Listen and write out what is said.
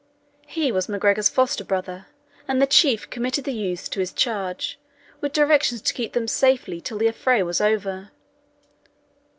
He was MacGregor's foster brother, and the chief committed the youths to his charge, with directions to keep them safely till the affray was over.